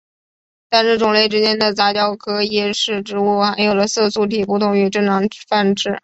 但是种类之间的杂交可以使植物含有的色素体不同于正常繁殖。